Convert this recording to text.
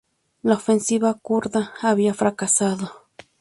La ofensiva kurda había fracasado.